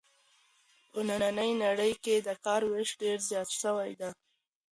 په نننۍ نړۍ کې د کار وېش ډېر زیات سوی دی.